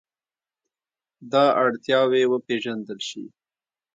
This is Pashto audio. دا اړتیاوې وپېژندل شي.